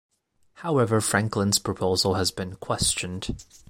However Franklin's proposal has been questioned.